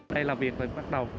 đây là việc mình bắt đầu